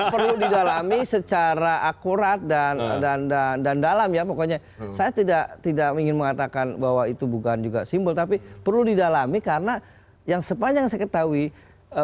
perlu didalami secara akurat dan dan dan dalam ya pokoknya saya tidak tidak ingin mengatakan bahwa itu bukan juga simbol tapi perlu didalami karena yang sepanjang saya ketahui beberapa kawasan yang ke